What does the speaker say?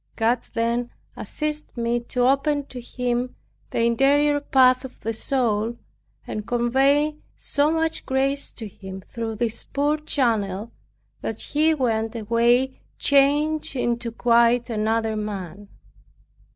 God then assisted me to open to him the interior path of the soul, and conveyed so much grace to him through this poor channel, that he went away changed into quite another man.